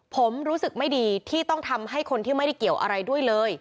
ผมรู้สึกไม่ดีที่ต้องทำให้คนที่ไม่ได้เกี่ยวอะไรด้วยเลย